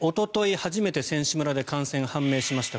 初めて選手村で感染が判明しました。